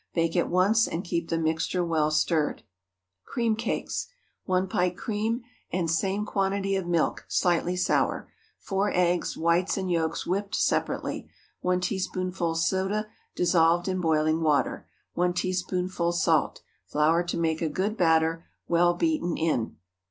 Bake at once, and keep the mixture well stirred. CREAM CAKES. ✠ 1 pint cream and same quantity of milk, slightly sour. 4 eggs, whites and yolks whipped separately. 1 teaspoonful soda dissolved in boiling water. 1 teaspoonful salt. Flour to make a good batter, well beaten in.